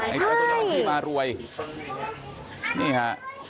ไอ้เจ้าสุนัขที่มารวยนี่ค่ะ